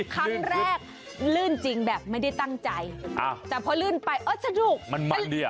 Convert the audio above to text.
คำแรกลื่นจริงแบบไม่ได้ตั้งใจแต่พอลื่นไปเออสนุก